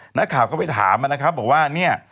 นักข่าวก็ไปถามนะครับบอกว่าเนี่ย